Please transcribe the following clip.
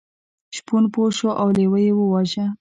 شپون پوه شو او لیوه یې وواژه.